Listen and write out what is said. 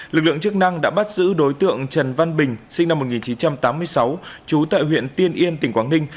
lực lượng chức năng đã bắt giữ đối tượng trần văn bình sinh năm một nghìn chín trăm tám mươi sáu trú tại huyện tiên yên tỉnh quảng ninh